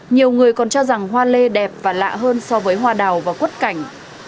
nhiều người còn cho rằng hoa lê đẹp và lạ hơn so với hoa đào và quất cảnh